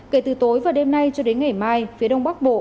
kể từ tối và đêm nay cho đến ngày mai phía đông bắc bộ